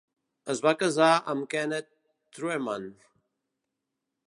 Es va casar amb Kenneth Trueman.